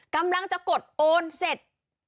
กำลังจะกดโอนเสร็จ